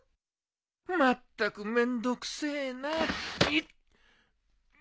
まったくめんどくせえな。